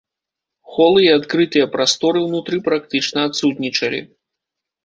Холы і адкрытыя прасторы ўнутры практычна адсутнічалі.